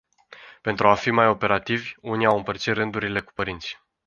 Pentru a fi mai operativi, unii au împărțit rândurile cu părinții.